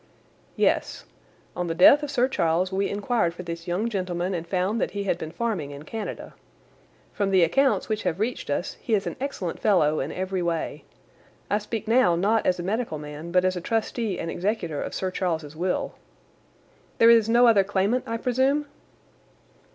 "Yes. On the death of Sir Charles we inquired for this young gentleman and found that he had been farming in Canada. From the accounts which have reached us he is an excellent fellow in every way. I speak now not as a medical man but as a trustee and executor of Sir Charles's will." "There is no other claimant, I presume?"